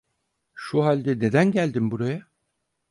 Şu halde neden geldim buraya?